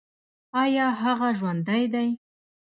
ایا هغه ژوندی دی؟